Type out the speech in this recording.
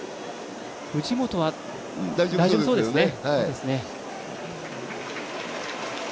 藤本は大丈夫そうですね。